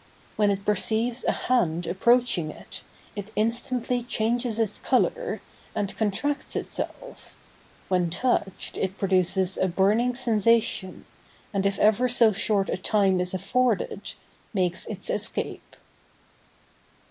When it perceives a hand approaching it, it instantly changes its color, and contracts itself; when touched it produces a burning sensation, and if ever so short a time is afforded, makes its escape.